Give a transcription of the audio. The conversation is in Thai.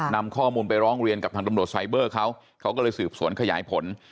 นำข้อมูลไปร้องเรียนกับทางตำรวจไซเบอร์เขาเขาก็เลยสืบสวนขยายผล